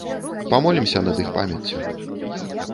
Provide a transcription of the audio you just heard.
Памолімся над іх памяццю.